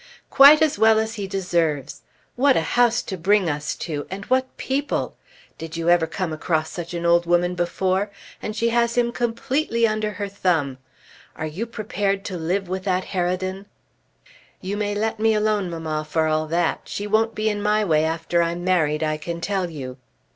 "Quite as well as he deserves! What a house to bring us to; and what people! Did you ever come across such an old woman before! And she has him completely under her thumb. Are you prepared to live with that harridan?" "You may let me alone, mamma, for all that. She won't be in my way after I'm married, I can tell you."